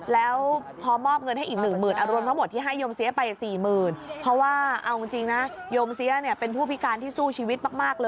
แล้วพอมอบเงินให้อีก๑๐๐๐๐บาท